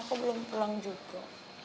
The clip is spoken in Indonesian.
kok belum pulang juga